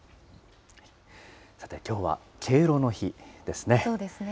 さてきょうは敬老の日ですね。